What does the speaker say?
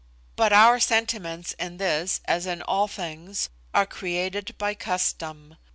But our sentiments in this, as in all things, are created by custom.